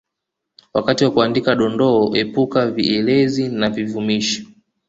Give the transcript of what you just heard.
Wakati wa kuandika Dondoo epuka vielezi na vivumishi